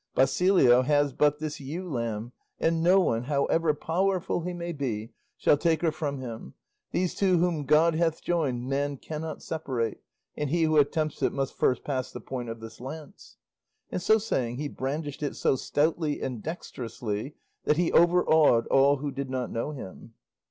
Basilio has but this ewe lamb, and no one, however powerful he may be, shall take her from him; these two whom God hath joined man cannot separate; and he who attempts it must first pass the point of this lance;" and so saying he brandished it so stoutly and dexterously that he overawed all who did not know him.